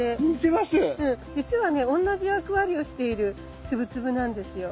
じつはね同じ役割をしているツブツブなんですよ。